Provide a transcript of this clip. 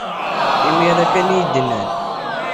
Imir-a kan ay iyi-d-nnan.